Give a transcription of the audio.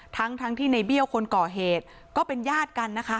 ทั้งทั้งที่ในเบี้ยวคนก่อเหตุก็เป็นญาติกันนะคะ